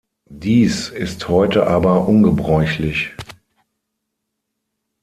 Dies ist heute aber ungebräuchlich.